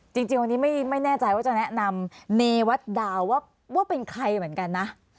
จริงวันนี้ไม่แน่ใจว่าจะแนะนำเนวัตดาวว่าเป็นใครเหมือนกันนะ